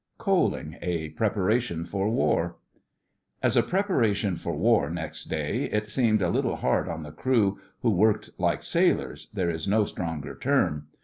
COALING: A PREPARATION FOR WAR As a preparation for War next day, it seemed a little hard on the crew, who worked like sailors—there is no stronger term.